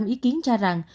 bảy mươi tám ý kiến cho rằng